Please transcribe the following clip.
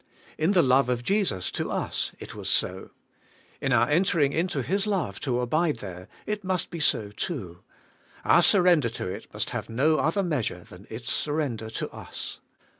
In the love of Jesus to us, it was so. In our entering into His love to abide there, it must be so too; our surrender to it must have no other measure than its surrender to us.